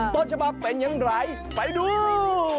ต้นฉบับเป็นอย่างไรไปดู